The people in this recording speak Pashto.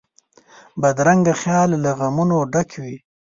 بدرنګه خیال له غمونو ډک وي